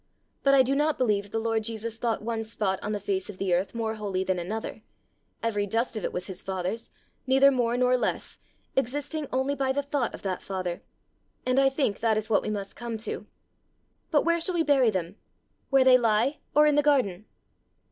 "But I do not believe the Lord Jesus thought one spot on the face of the earth more holy than another: every dust of it was his father's, neither more nor less, existing only by the thought of that father! and I think that is what we must come to. But where shall we bury them? where they lie, or in the garden?"